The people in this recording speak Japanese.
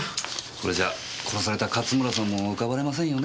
これじゃ殺された勝村さんも浮かばれませんよね。